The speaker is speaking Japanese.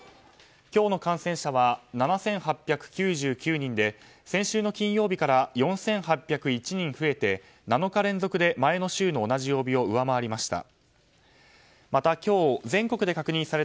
今日の感染者は７８９９人で、先週の金曜日から４８０１人増えて７日連続で前の週の同じ曜日を上回りました。